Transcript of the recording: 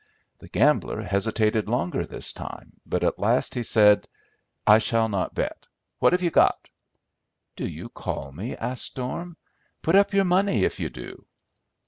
The gambler hesitated longer this time, but at last he said, "I shall not bet. What have you got?" "Do you call me?" asked Storm. "Put up your money if you do."